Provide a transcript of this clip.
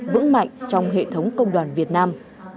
vững mạnh trong hệ thống công đoàn việt nam